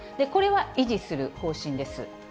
これは維持する方針です。